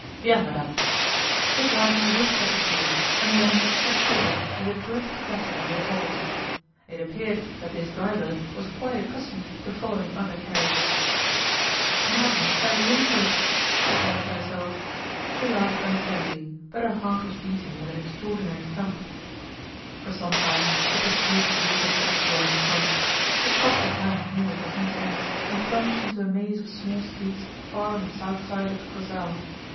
'Bien, madame!' The driver whipped up his horse, and the animal shot forward with a terrific clatter over the cobbles. It appeared that this driver was quite accustomed to following other carriages. 'Now I am fairly in for it!' said Nella to herself. She laughed unsteadily, but her heart was beating with an extraordinary thump. For some time the pursued vehicle kept well in front. It crossed the town nearly from end to end, and plunged into a maze of small streets far on the south side of the Kursaal.